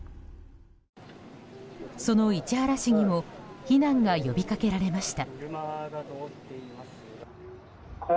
その市原市にも避難が呼びかけられました。